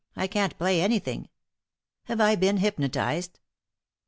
I can't play anything! Have I been hypnotized?